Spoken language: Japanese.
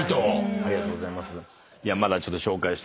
ありがとうございます。